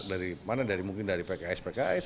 dari mana dari mungkin dari pks pks